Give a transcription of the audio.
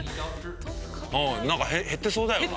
なんか減ってそうだよな。